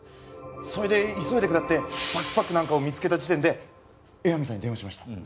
それで急いで下ってバックパックなんかを見つけた時点で江波さんに電話しました。